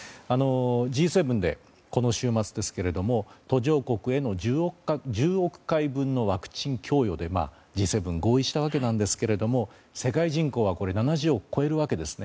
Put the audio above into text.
Ｇ７で、この週末ですけれども途上国への１０億回分のワクチン供与でＧ７は合意したわけなんですが世界人口は７０億を超えるわけです。